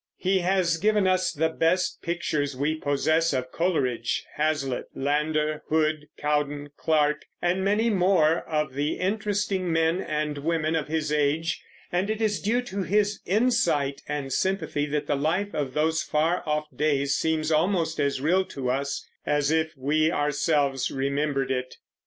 He has given us the best pictures we possess of Coleridge, Hazlitt, Landor, Hood, Cowden Clarke, and many more of the interesting men and women of his age; and it is due to his insight and sympathy that the life of those far off days seems almost as real to us as if we ourselves remembered it.